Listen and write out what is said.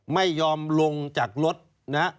ไม่ยอมลงจากรถนะฮะ